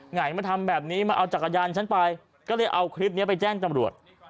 ไหนมาทำแบบนี้มาเอาจักรยานฉันไปก็เลยเอาคลิปนี้ไปแจ้งจำรวจ